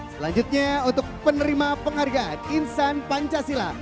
selanjutnya untuk penerima penghargaan insan pancasila